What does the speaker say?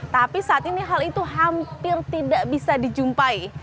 tapi saat ini hal itu hampir tidak bisa dijumpai